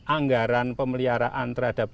anggaran pemeliharaan terhadap